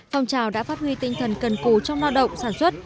phong trào đã phát huy tinh thần cần cù trong lao động sản xuất